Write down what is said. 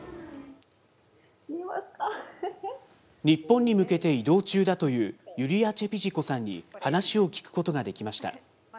日本に向けて移動中だというユリア・チェピジコさんに話を聞くことができました。